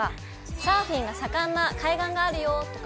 「サーフィンが盛んな海岸があるよ」とか。